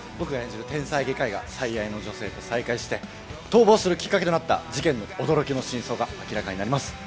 僕が演じる天才外科医が最愛の女性と再会し逃亡するきっかけとなった事件の驚きの真相が明らかになります。